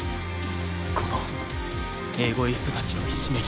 このエゴイストたちのひしめき合う